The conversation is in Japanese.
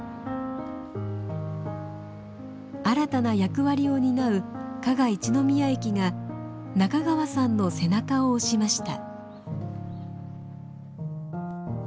新たな役割を担う加賀一の宮駅が中川さんの背中を押しました。